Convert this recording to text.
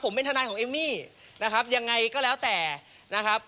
ผมเป็นทนายของเอมมี่นะครับยังไงก็แล้วแต่นะครับ